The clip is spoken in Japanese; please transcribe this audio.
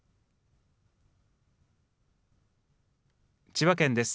千葉県です。